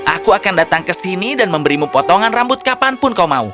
aku akan datang ke sini dan memberimu potongan rambut kapanpun kau mau